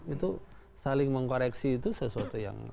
itu saling mengkoreksi itu sesuatu yang